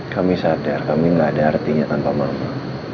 kami sadar kami tidak ada artinya tanpa maruf